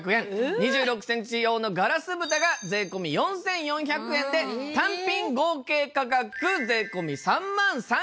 ２６センチ用のガラス蓋が税込４４００円で単品合計価格税込３万３０００円なんですが！